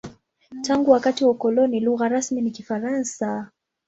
Tangu wakati wa ukoloni, lugha rasmi ni Kifaransa.